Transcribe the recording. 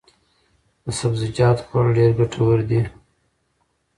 د سبزیجاتو خوړل ډېر ګټور دي.